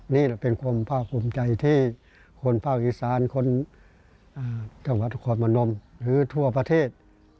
นี่แหละเป็นความภาคภูมิใจที่คนภาคอีสานคนจังหวัดนครมนมหรือทั่วประเทศ